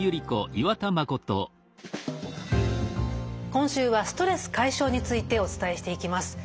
今週は「ストレス解消」についてお伝えしていきます。